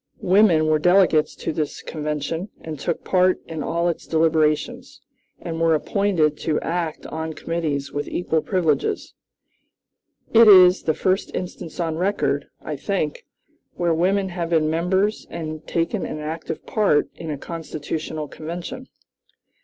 Women were delegates to this convention, and took part in all its deliberations, and were appointed to act on committees with equal privileges. It is the first instance on record, I think, where women have been members and taken an active part in a constitutional convention.